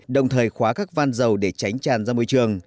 đồng thời khóa các van dầu để tránh tràn ra môi trường